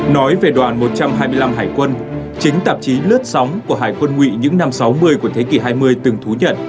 nói về đoàn một trăm hai mươi năm hải quân chính tạp chí lướt sóng của hải quân ngụy những năm sáu mươi của thế kỷ hai mươi từng thú nhận